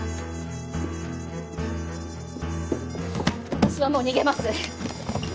私はもう逃げます。